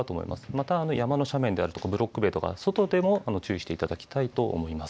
また山の斜面であるとかブロック塀とか外でも注意していただきたいと思います。